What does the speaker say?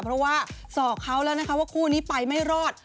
เพราะว่าสอกเขาแล้วนะคะว่าคู่นี้ไปไม่รอด